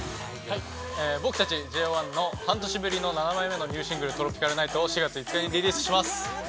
◆僕たちＪＯ１の半年ぶりの７枚目のニューシングル「ＴＲＯＰＩＣＡＬＮＩＧＨＴ」を４月５日にリリースします！